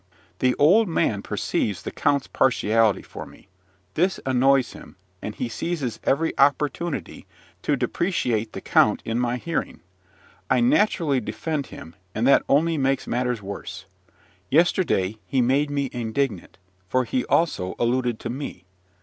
The old man perceives the count's partiality for me: this annoys him, and, he seizes every opportunity to depreciate the count in my hearing. I naturally defend him, and that only makes matters worse. Yesterday he made me indignant, for he also alluded to me.